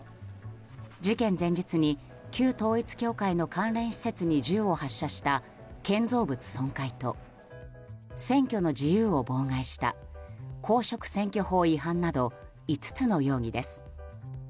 事件前日に旧統一教会の関連施設に銃を発射した建造物損壊と選挙の自由を妨害した公職選挙法違反など５つの容疑です。